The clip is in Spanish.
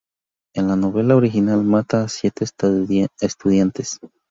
En la novela original mata a siete estudiantes.